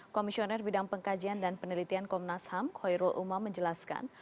komisioner bidang pengkajian dan penelitian komnas ham khoirul umam menjelaskan